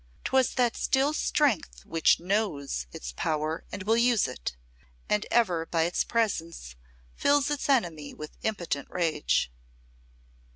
'Twas that still strength which knows its power and will use it, and ever by its presence fills its enemy with impotent rage.